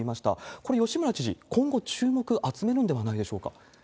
これ、吉村知事、今後、注目集めるのではないでしょうか。